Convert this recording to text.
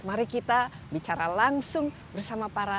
mari kita bicara langsung bersama para